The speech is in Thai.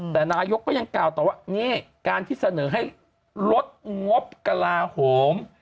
แต่นายกก็ยังกล่าวต่อว่านี่การที่เสนอให้ลดงบกระลาโหม